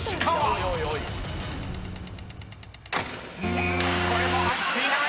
［うーんこれも入っていない！